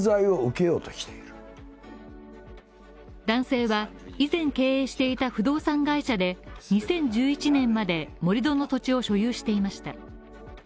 男性は以前経営していた不動産会社で２０１１年まで盛り土の土地を所有していました。